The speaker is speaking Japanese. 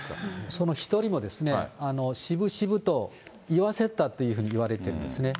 その１人もですね、しぶしぶと言わせたというふうにいわれてるんですね。